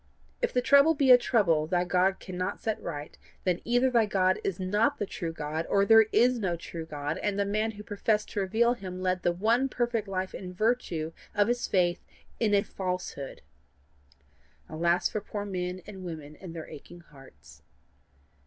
If thy trouble be a trouble thy God cannot set right, then either thy God is not the true God, or there is no true God, and the man who professed to reveal him led the one perfect life in virtue of his faith in a falsehood. Alas for poor men and women and their aching hearts!